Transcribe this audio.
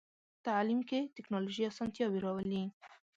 تعلیم کې ټکنالوژي اسانتیاوې راولي.